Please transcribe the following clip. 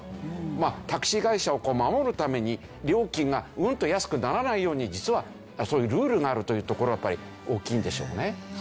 まあタクシー会社を守るために料金がうんと安くならないように実はそういうルールがあるというところはやっぱり大きいんでしょうね。